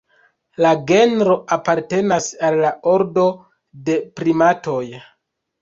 La genro apartenas al la ordo de primatoj.